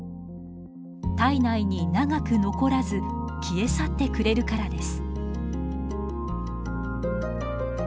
体内に長く残らず消え去ってくれるからです。